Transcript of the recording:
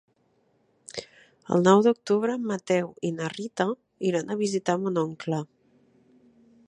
El nou d'octubre en Mateu i na Rita iran a visitar mon oncle.